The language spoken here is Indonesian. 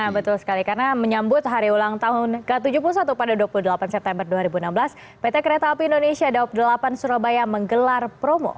betul sekali karena menyambut hari ulang tahun ke tujuh puluh satu pada dua puluh delapan september dua ribu enam belas pt kereta api indonesia daob delapan surabaya menggelar promo